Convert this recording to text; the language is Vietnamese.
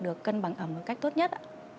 được cân bằng ẩm một cách tốt nhất